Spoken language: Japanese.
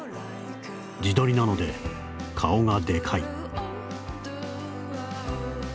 自撮りなので顔がデカい。」。